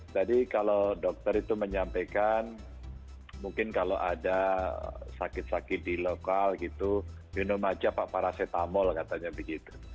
tadi kalau dokter itu menyampaikan mungkin kalau ada sakit sakit di lokal gitu minum aja pak parasetamol katanya begitu